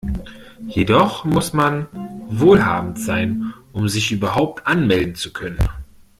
Jedoch muss man wohlhabend sein, um sich überhaupt anmelden zu können.